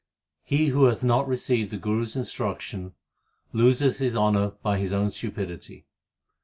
He who hath not received the Guru s instruction, loseth his honour by his own stupidity.